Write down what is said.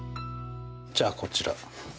じゃあこちら。